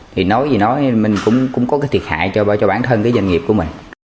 thì nói gì nói mình cũng có cái thiệt hại cho bản thân cái doanh nghiệp của mình